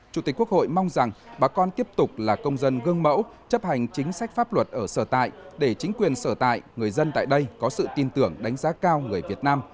chủ tịch quốc hội mong rằng bà con tiếp tục là công dân gương mẫu chấp hành chính sách pháp luật ở sở tại để chính quyền sở tại người dân tại đây có sự tin tưởng đánh giá cao người việt nam